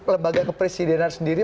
lembaga kepresidenan sendiri